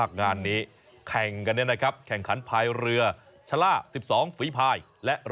เข้าเส้นชัยยัง